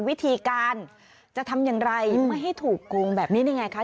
วิธีการจะทำอย่างไรไม่ให้ถูกโกงแบบนี้ได้ไงคะ